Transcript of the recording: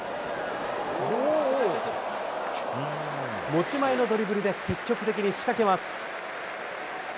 持ち前のドリブルで積極的に仕掛けます。